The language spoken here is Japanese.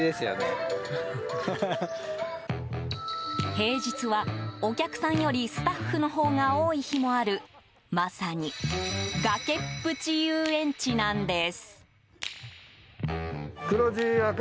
平日は、お客さんよりスタッフのほうが多い日もあるまさに崖っぷち遊園地なんです。